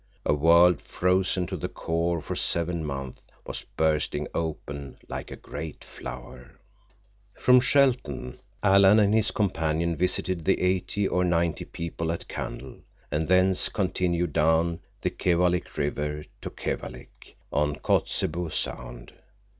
A world frozen to the core for seven months was bursting open like a great flower. From Shelton, Alan and his companion visited the eighty or ninety people at Candle, and thence continued down the Keewalik River to Keewalik, on Kotzebue Sound.